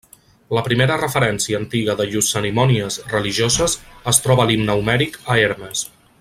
La primera referència antiga de llurs cerimònies religioses es troba a l'himne homèric a Hermes.